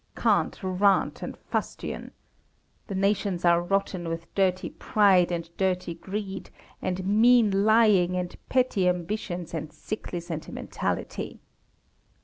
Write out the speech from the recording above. Cant, rant, and fustian! The nations are rotten with dirty pride, and dirty greed, and mean lying, and petty ambitions, and sickly sentimentality.